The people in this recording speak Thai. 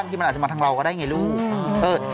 โสดมั้ย